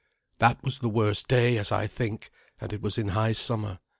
That was the worst day, as I think, and it was in high summer.